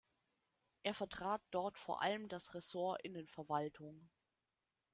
Er vertrat dort vor allem das Ressort Innenverwaltung.